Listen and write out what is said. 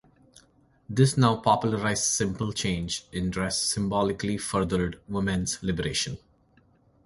This now popularized simple change in dress symbolically furthered women's liberation.